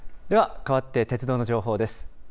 では変わって鉄道の情報です。